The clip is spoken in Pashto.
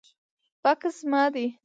بکس زما دی